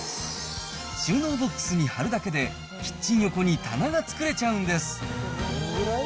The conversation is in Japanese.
収納ボックスに貼るだけで、キッチン横に棚が作れちゃうんです。